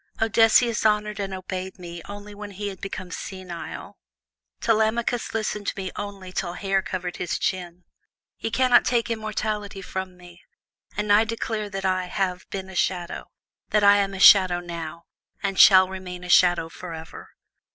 Odysseus honored and obeyed me only when he had become senile. Telemachus listened to me only till hair covered his chin. Ye cannot take immortality from me, and I declare that I have been a shadow, that I am a shadow now, and shall remain a shadow forever."